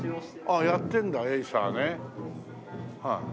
ああやってるんだエイサーね。